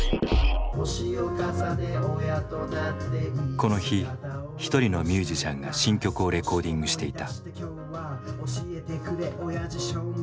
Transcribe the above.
この日一人のミュージシャンが新曲をレコーディングしていた。